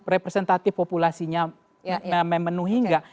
representatif populasinya memenuhi enggak